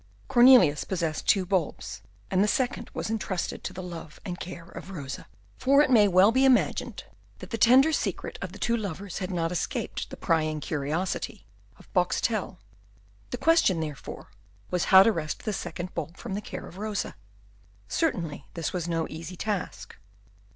Cornelius possessed two bulbs, and the second was intrusted to the love and care of Rosa. For it may well be imagined that the tender secret of the two lovers had not escaped the prying curiosity of Boxtel. The question, therefore, was how to wrest the second bulb from the care of Rosa. Certainly this was no easy task.